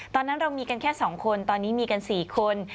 ตอนนั้นเรามีกันแค่๒คนตอนนี้มีกัน๔คน